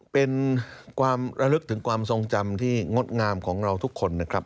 เป็นความระลึกถึงความทรงจำที่งดงามของเราทุกคนนะครับ